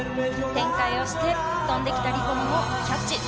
転回をして飛んできたリボンをキャッチ。